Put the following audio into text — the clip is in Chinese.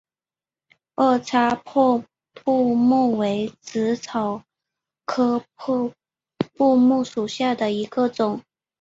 二叉破布木为紫草科破布木属下的一个种。